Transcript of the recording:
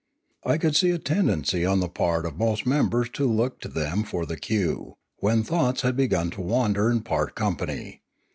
I could see a tendency on the part of most members to look to them for the cue, when thoughts had begun to wander and part company.